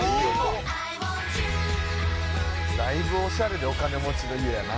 だいぶオシャレでお金持ちの家やな